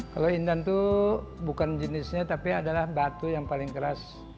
kalau indan itu bukan jenisnya tapi adalah batu yang paling keras